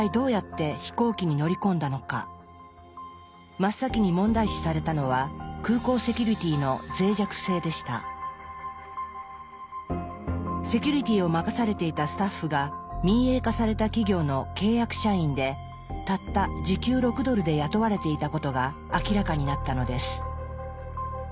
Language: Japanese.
真っ先に問題視されたのはセキュリティを任されていたスタッフが民営化された企業の契約社員でたった時給６ドルで雇われていたことが明らかになったのです。